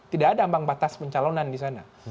tidak ada ambang batas pencalonan di sana